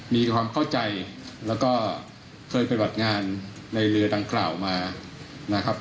มีความเข้าใจแล้วก็เคยปฏิบัติงานในเรือดังกล่าวมานะครับ